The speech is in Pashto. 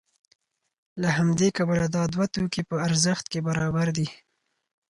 له همدې کبله دا دوه توکي په ارزښت کې برابر دي